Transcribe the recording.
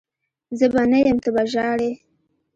زه به نه یم ته به ژاړي